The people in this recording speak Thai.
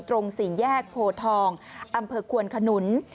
ตรงสี่แยกโพทองอำเภอควนขนุน